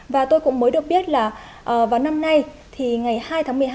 và tôi cũng mới được biết là vào năm nay thì ngày hai tháng một mươi hai